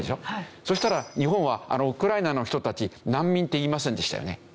そしたら日本はウクライナの人たち難民って言いませんでしたよね。